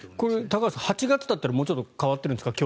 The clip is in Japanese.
高橋さん、８月だったらもう少し変わっているんですか？